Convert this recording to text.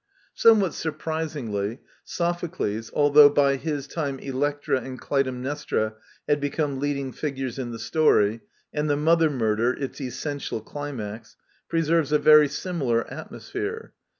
Somewhat surprisingly, Sophocles, although by his time Electra and Clytemnestra had become leading figures in the story and the mother murder its essen tial climax, preserves a very similar atmosphere.